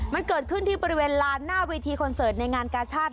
มันเกิดขึ้นที่บริเวณลานหน้าเวทีคอนเสิร์ตในงานกาชาติ